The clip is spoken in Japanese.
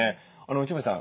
内堀さん